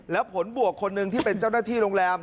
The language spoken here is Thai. แล้วผลบวกคนหนึ่งที่เป็นเจ้าหน้าที่โรงแรม